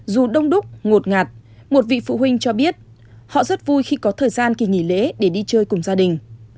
dù đông đúc ngột ngạt một vị phụ huynh cho biết họ rất vui khi có thời gian kỳ nghỉ lễ để đi chơi cùng gia đình